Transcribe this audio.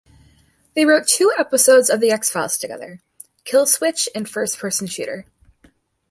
They wrote two episodes of "The X-Files" together, "Kill Switch" and "First Person Shooter".